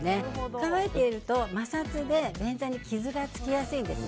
乾いていると摩擦で便座に傷がつきやすいんです。